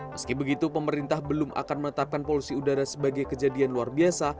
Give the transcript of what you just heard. meski begitu pemerintah belum akan menetapkan polusi udara sebagai kejadian luar biasa